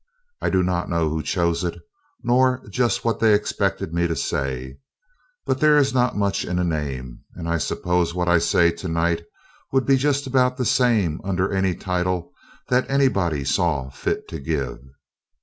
I don't know who chose it, nor just what they expected me to say, but there is not much in a name, and I suppose what I say tonight would be just about the same under any title that anybody saw fit to give.